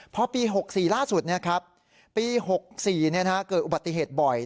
พอปี๖๔ล่าสุดนะครับปี๖๔เนี่ยนะฮะเกิดอุบัติเหตุบ่อย